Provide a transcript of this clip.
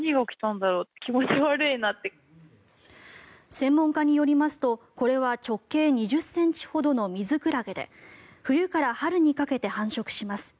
専門家によりますとこれは直径２０ｃｍほどのミズクラゲで冬から春にかけて繁殖します。